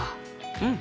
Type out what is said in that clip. うん！